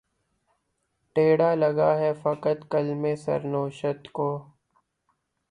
ٹیڑھا لگا ہے قط‘ قلمِ سر نوشت کو